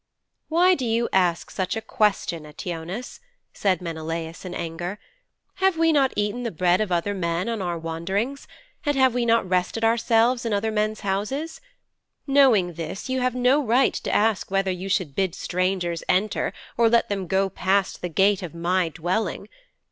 'Why do you ask such a question, Eteoneus?' said Menelaus in anger. 'Have we not eaten the bread of other men on our wanderings, and have we not rested ourselves in other men's houses? Knowing this you have no right to ask whether you should bid strangers enter or let them go past the gate of my dwelling.